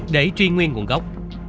để truy nguyên nguồn gốc